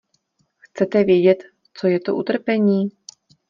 Chcete vědět, co je to utrpení?